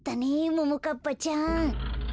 ももかっぱちゃん。